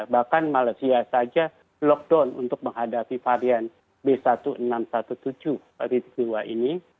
bahkan malaysia saja lockdown untuk menghadapi varian b satu enam satu tujuh dua ini